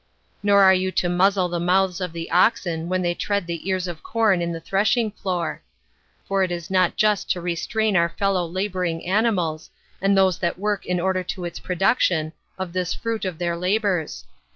Nor are you to muzzle the mouths of the oxen when they tread the ears of corn in the thrashing floor; for it is not just to restrain our fellow laboring animals, and those that work in order to its production, of this fruit of their labors.